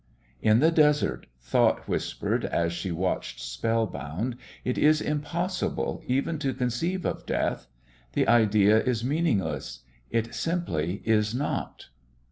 "In the desert," thought whispered, as she watched spellbound, "it is impossible even to conceive of death. The idea is meaningless. It simply is not."